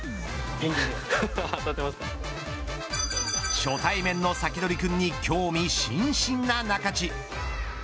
初対面のサキドリくんに興味津々な仲地。